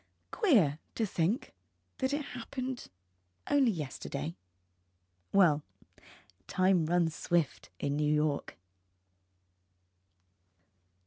Queer to think that it happened only yesterday. Well, time runs swift in New York.